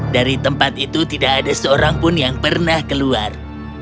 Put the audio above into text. dari tempat itu tidak ada seorang pun yang pernah keluar